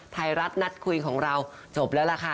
ไทยรัฐนัดคุยของเราจบแล้วล่ะค่ะ